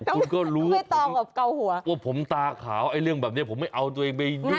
คุณก็รู้ว่าผมตาขาวเรื่องแบบนี้ผมไม่เอาตัวเองไปยุ่ง